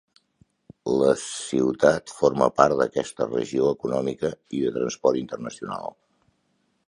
La ciutat forma part d'aquesta regió econòmica i de transport internacional.